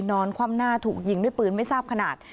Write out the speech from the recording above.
คว่ำหน้าถูกยิงด้วยปืนไม่ทราบขนาด